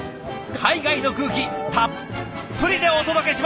海外の空気たっぷりでお届けします。